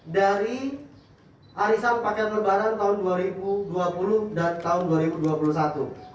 dari arisan paket lebaran tahun dua ribu dua puluh dan tahun dua ribu dua puluh satu